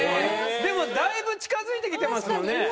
でもだいぶ近付いてきてますよね。